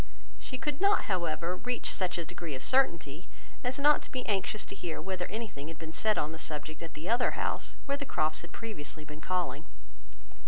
She could not, however, reach such a degree of certainty, as not to be anxious to hear whether anything had been said on the subject at the other house, where the Crofts had previously been calling.